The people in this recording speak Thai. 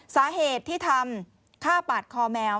สาเหตุที่ทำฆ่าปาดคอแมว